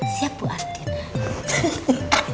siap bu ardhid